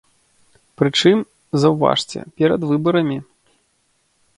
Прычым, заўважце, перад выбарамі.